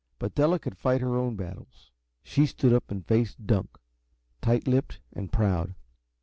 But Della could fight her own battles. She stood up and faced Dunk, tight lipped and proud.